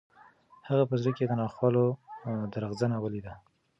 هغه په زړه کې د ناخوالو درغځنه ولیده.